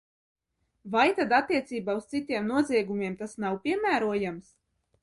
Vai tad attiecībā uz citiem noziegumiem tas nav piemērojams?